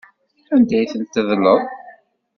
Anda ay tent-tedleḍ?